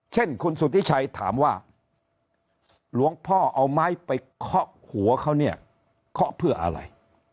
เช่นคุณสุธิชัยถามว่าหลวงพ่อเอาไม้ไปเคาะหัวเขาเนี่ยเคาะเพื่ออะไร